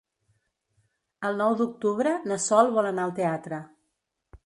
El nou d'octubre na Sol vol anar al teatre.